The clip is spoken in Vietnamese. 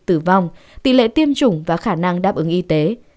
tử vong tỷ lệ tiêm chủng và khả năng đáp ứng y tế